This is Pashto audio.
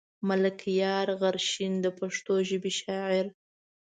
ملکيار غرشين د پښتو ژبې شاعر.